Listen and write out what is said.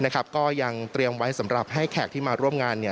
ก็ยังเตรียมไว้สำหรับให้แขกที่มาร่วมงาน